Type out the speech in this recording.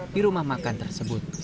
di rumah makan tersebut